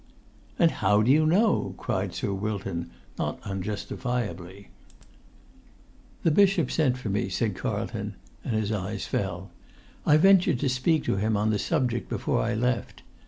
"And how do you know?" cried Sir Wilton, not unjustifiably. "The bishop sent for me," said Carlton—and his eyes fell. "I ventured to speak to him on the subject before I left.